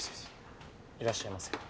いらっしゃいませ。